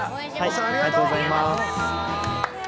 ありがとうございます。